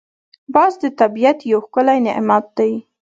باز د طبیعت یو ښکلی نعمت دی